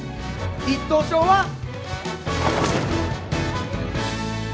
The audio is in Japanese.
一等賞は！